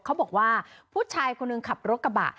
เขาบอกว่าผู้ชายคนหนึ่งขับรถกระบะ